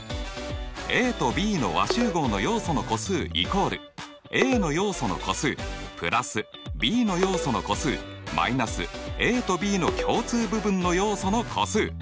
ＡとＢの和集合の要素の個数イコールＡの要素の個数＋Ｂの要素の個数−ＡとＢの共通部分の要素の個数。